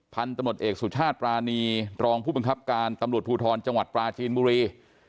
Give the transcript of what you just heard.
พันธุ์ตำรวจเอกสุชาติปรานีรองผู้บังคับการตำรวจภูทรจังหวัดปราจีนบุรี